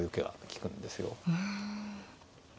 うん。